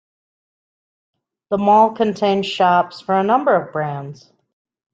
The mall contains shops for a number of brands.